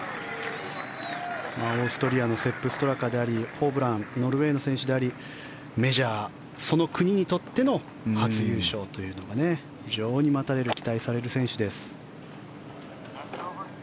オーストリアのセップ・ストラカでありホブランノルウェーの選手でありメジャー、その国にとっての初優勝というのが非常に待たれる、期待される選手です。